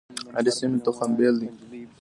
د هرې سیمې تخم بیل دی.